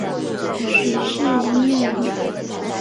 许世英人。